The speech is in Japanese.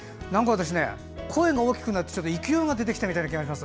私声も大きくなって勢いが出てきた気がします。